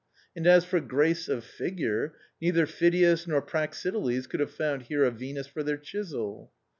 And as for grace of figure Neither Phidias nor Praxitiles could have found here a Venus for their chisel.